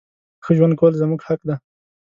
ښه ژوند کول زمونږ حق ده.